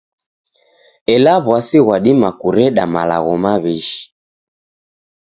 Ela w'asi ghwadima kureda malagho maw'ishi.